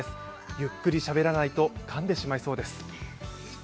ゆっくりしゃべらないと、かんでしまいそうです。